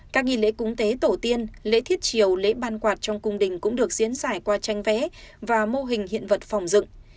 các nghi lễ cúng tế tổ tiên lễ thiết triều lễ ban quạt trong cung đình cũng được diễn giải qua tranh vẽ và mô hình hiện vật phòng dựng